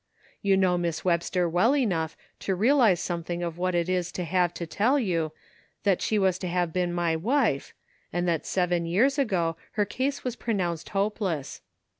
You know Miss Webster well enough to realize something of what it is to have to tell you that she was to have been my wife, and that seven years ago her case was pronounced hopeless.